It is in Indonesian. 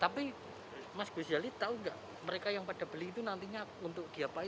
tapi mas gozali tau gak mereka yang pada beli itu nantinya untuk diapain